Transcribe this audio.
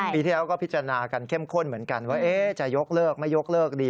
ปีที่แล้วก็พิจารณากันเข้มข้นเหมือนกันว่าจะยกเลิกไม่ยกเลิกดี